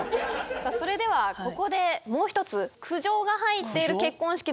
さあそれではここでもう１つ苦情が入っている結婚式の映像があるそうです。